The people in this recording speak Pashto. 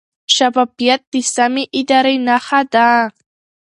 شفافیت د سمې ادارې نښه ده.